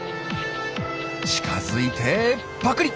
近づいてパクリ。